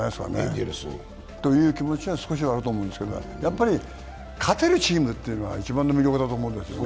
エンゼルスにという気持ちは少しあると思うんですけどやはり勝てるチームというのは一番の魅力だと思うんですよね。